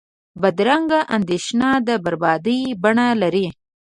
بدرنګه اندیشه د بربادۍ بڼه لري